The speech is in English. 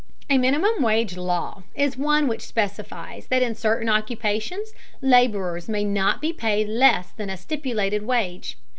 A minimum wage law is one which specifies that in certain occupations laborers may not be paid less than a stipulated wage.